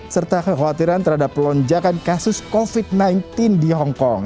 serta kekhawatiran terhadap lonjakan kasus covid sembilan belas di hongkong